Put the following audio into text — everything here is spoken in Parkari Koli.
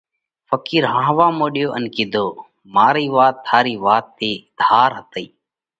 ڦقِير هاهوا مڏيو ان ڪِيڌو: مارئِي وات ٿارِي وات ٿِي ڌار هتئِي۔